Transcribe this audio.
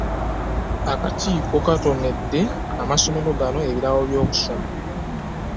Akakiiko kaatonedde amasomero gano ebitabo eby'okusoma